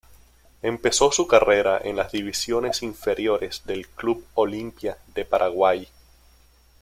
Empezó su carrera en las divisiones inferiores del Club Olimpia de Paraguay.